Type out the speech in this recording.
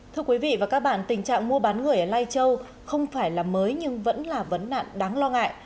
thưa quý vị và các bạn tình trạng mua bán người ở lai châu không phải là mới nhưng vẫn là vấn nạn đáng lo ngại